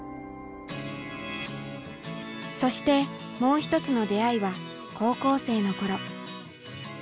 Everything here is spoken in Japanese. そしてもう一つの出会いは高校生の頃。